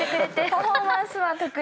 パフォーマンスは得意なんで。